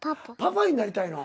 パパになりたいの。